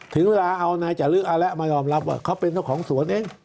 ถึงเวลาเอานายจริงอาละมารอบเขาเป็นของสวนเอง